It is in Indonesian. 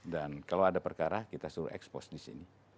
dan kalau ada perkara kita suruh expose